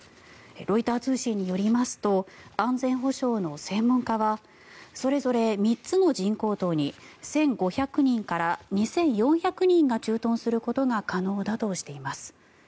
ロイター通信によりますと安全保障の専門家はそれぞれ３つの人工島に１５００人から２４００人が駐屯することが可能だとしています。